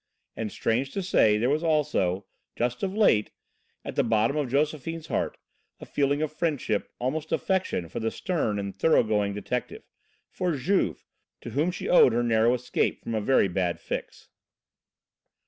And, strange to say, there was also just of late at the bottom of Josephine's heart, a feeling of friendship, almost affection, for the stern and thorough going detective, for Juve, to whom she owed her escape from a very bad fix.